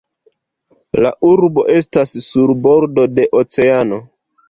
La urbo estas sur bordo de oceano.